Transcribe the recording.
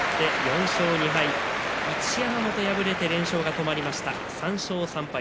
一山本、敗れて連勝が止まりました。